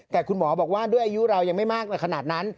แต่คุณหมอบอกว่าด้วยอายุเรายังไม่มากในขนาดนั้น